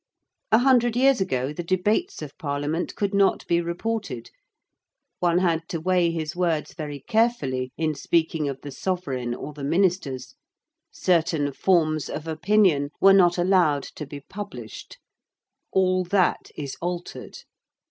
A hundred years ago the debates of Parliament could not be reported: one had to weigh his words very carefully in speaking of the Sovereign or the Ministers: certain forms of opinion were not allowed to be published. All that is altered.